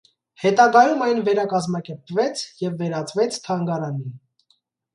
Հետագայում այն վերակազմակերպվեց և վեր ածվեց թանգարանի։